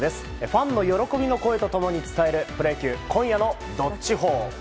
ファンの喜びの声と共に伝える今夜の「＃どっちほー」。